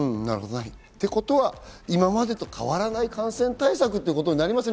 ってことは今までと変わらない感染対策ということになりますね？